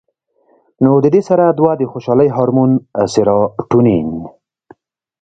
نو د دې سره دوه د خوشالۍ هارمون سېراټونین